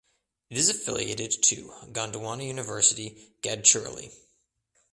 It is affiliated to Gondwana University Gadchiroli.